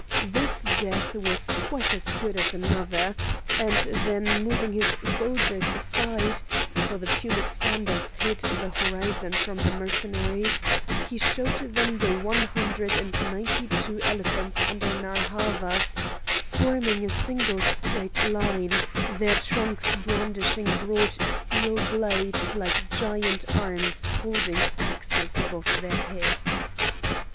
This death was quite as good as another;—and then moving his soldiers aside (for the Punic standards hid the horizon from the Mercenaries) he showed them the one hundred and ninety two elephants under Narr' Havas, forming a single straight line, their trunks brandishing broad steel blades like giant arms holding axes above their heads.